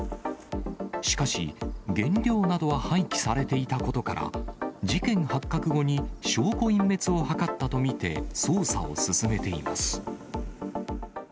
しかし、原料などは廃棄されていたことから、事件発覚後に証拠隠滅を図ったと見て捜査を進めています。